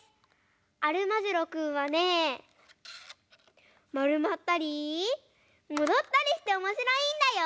アルマジロくんはねまるまったりもどったりしておもしろいんだよ！